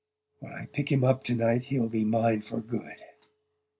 "When I pick him up to night he'll be mine for good!"